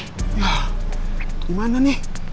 yah gimana nih